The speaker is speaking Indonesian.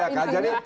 iya kan jadi